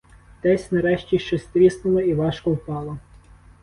Десь, нарешті, щось тріснуло і важко впало.